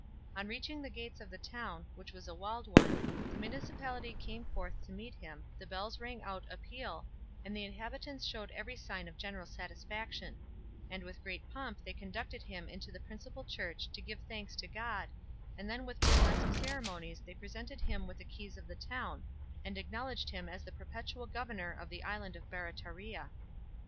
On reaching the gates of the town, which was a walled one, the municipality came forth to meet him, the bells rang out a peal, and the inhabitants showed every sign of general satisfaction; and with great pomp they conducted him to the principal church to give thanks to God, and then with burlesque ceremonies they presented him with the keys of the town, and acknowledged him as perpetual governor of the island of Barataria.